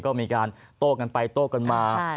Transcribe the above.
ก็มีการโต้กันไปโต้กันมา